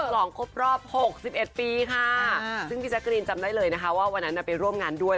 ลองครบรอบ๖๑ปีค่ะซึ่งพี่แจ๊กรีนจำได้เลยนะคะว่าวันนั้นน่ะไปร่วมงานด้วย